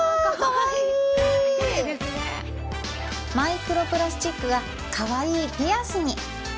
マイクロプラスチックがカワイイピアスに！